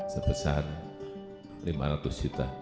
sebesar lima ratus juta